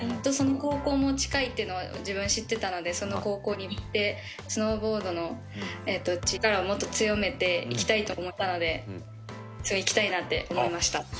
その高校も近いっていうのは自分、知ってたのでその高校行ってスノーボードの力をもっと強めていきたいと思ったので行きたいなと思いました。